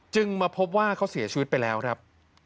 มาพบว่าเขาเสียชีวิตไปแล้วครับ